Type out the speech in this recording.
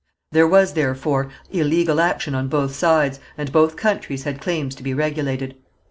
There was, therefore, illegal action on both sides, and both countries had claims to be regulated.